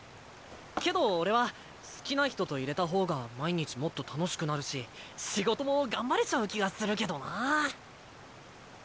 けど俺は好きな人といれた方が毎日もっと楽しくなるし仕事も頑張れちゃう気がするけどなぁ。